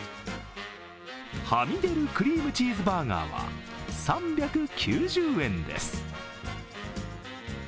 はみ出るクリームチーズバーガーは３９０円です。